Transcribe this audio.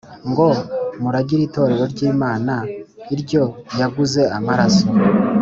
Ngo muragire itorero ry imana iryo yaguze amaraso